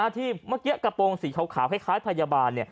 ที่เมื่อกี้กระโปรงสีขาวคล้ายพยาบาล